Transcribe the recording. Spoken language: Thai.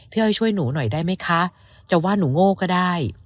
อ้อยช่วยหนูหน่อยได้ไหมคะจะว่าหนูโง่ก็ได้